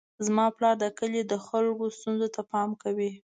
زما پلار د کلي د خلکو ستونزو ته پام کوي.